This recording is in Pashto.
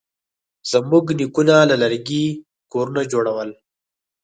زموږ نیکونه له لرګي کورونه جوړول.